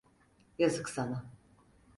Yazık sana.